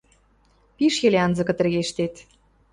— Пиш йӹле анзыкы тӹргештет...